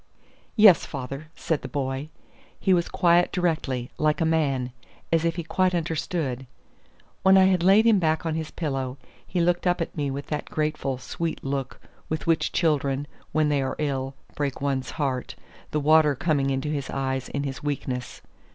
"Yes, father," said the boy. He was quiet directly, like a man, as if he quite understood. When I had laid him back on his pillow, he looked up at me with that grateful, sweet look with which children, when they are ill, break one's heart, the water coming into his eyes in his weakness.